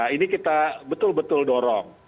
ini kita betul betul dorong